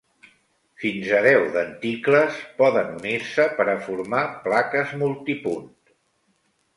Fins a deu denticles poden unir-se per a formar plaques multipunt.